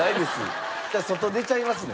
外出ちゃいますね。